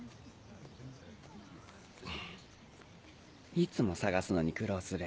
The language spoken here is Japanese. いつも探すのに苦労する。